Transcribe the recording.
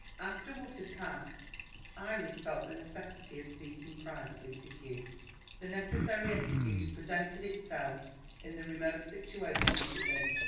After what had passed, Iris felt the necessity of speaking privately to Hugh. The necessary excuse presented itself in the remote situation of the inn.